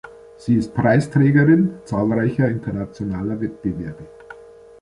Sie ist Preisträgerin zahlreicher Internationaler Wettbewerbe.